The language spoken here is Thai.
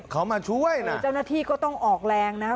เขามาช่วยนะเจ้าหน้าที่ก็ต้องออกแรงนะคะ